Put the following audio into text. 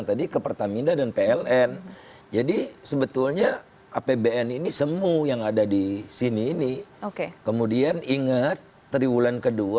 harga untuk bbm yang banyak